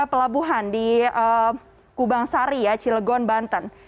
pelabuhan di kubang sari ya cilegon banten